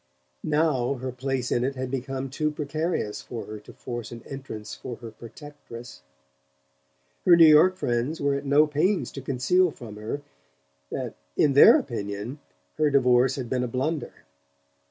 Now her place in it had become too precarious for her to force an entrance for her protectress. Her New York friends were at no pains to conceal from her that in their opinion her divorce had been a blunder.